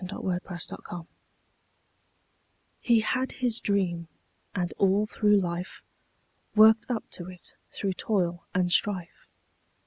HE HAD HIS DREAM He had his dream, and all through life, Worked up to it through toil and strife.